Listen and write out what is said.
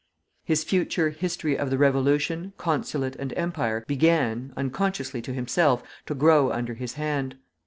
His future History of the Revolution, Consulate, and Empire began, unconsciously to himself, to grow under his hand.